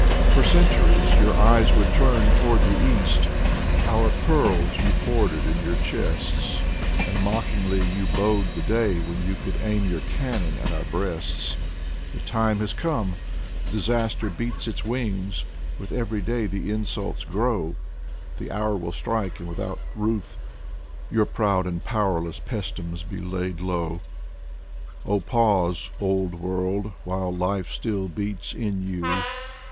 For centuries your eyes were toward the East. Our pearls you hoarded in your chests. And mockingly you bode the day When you could aim your cannon at our breasts. 136 Alexander Blok The time has come! Disaster beats its wings. With every day the insults grow. The; hour will strike, and without ruth Your proud and powerless Paestums be laid low. Oh pause, old world, while life still beats in you.